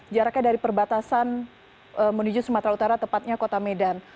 jaraknya dari perbatasan menuju sumatera utara tepatnya kota medan